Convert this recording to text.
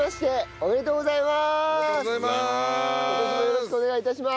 おめでとうございます。